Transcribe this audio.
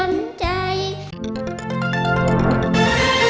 โอ้โห